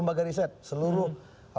rumpaga riset seluruh